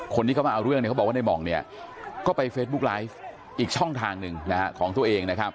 คนที่เขามาเอาเรื่องเขาบอกว่าในหมองก็ไปเฟซบุ๊คไลฟ์อีกช่องทางหนึ่งของตัวเอง